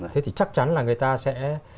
thế thì chắc chắn là người ta sẽ